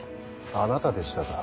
あなたでしたか。